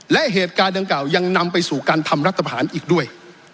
และเหตุการณ์ดังกล่าวยังนำไปสู่การทำรัฐประหารอีกด้วย